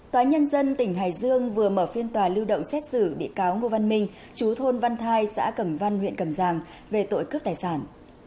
tòa nhân dân tỉnh hải dương vừa mở phiên tòa lưu động xét xử bị cáo ngô văn minh chú thôn văn thai xã cẩm văn huyện cầm giang về tội cướp tài sản